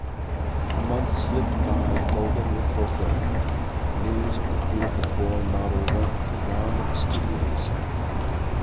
The months slipped by golden with fulfilment. News of the beautiful boy model went the round of the studios.